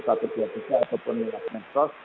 ataupun ilang mensos